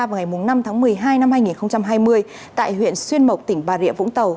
vào ngày năm tháng một mươi hai năm hai nghìn hai mươi tại huyện xuyên mộc tỉnh bà rịa vũng tàu